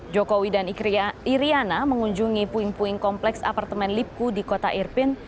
jokowi dan iryana mengunjungi puing puing kompleks apartemen lipku di kota irpin